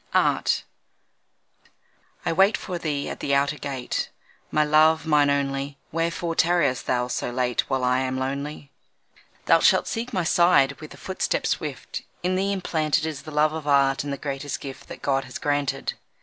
Art I wait for thee at the outer gate, My love, mine only; Wherefore tarriest thou so late While I am lonely. Thou shalt seek my side with a footstep swift, In thee implanted Is the love of Art and the greatest gift That God has granted.